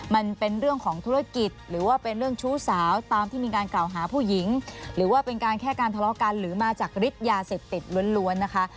มันเป็นเรื่องของธุรกิจหรือว่าเป็นเรื่องชู้สาวตามที่มีการกล่าวหาผู้หญิงหรือว่าเป็นการแค่การทะเลาะกันหรือมาจากฤทธิ์ยาเสพติดล้วนนะคะ